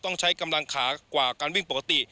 ต้องใช้กำลังขากว่าการวิ่งปกติ